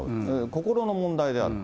心の問題である。